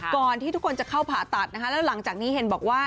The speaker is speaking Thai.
ก่อนที่ทุกคนจะเข้าผ่าตัดนะคะแล้วหลังจากนี้เห็นบอกว่า